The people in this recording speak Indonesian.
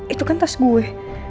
itu kan tas gue